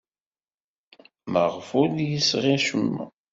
Maɣef ur d-yesɣi acemma?